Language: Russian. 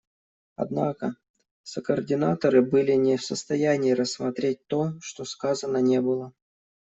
Однако сокоординаторы были не в состоянии рассмотреть то, что сказано не было.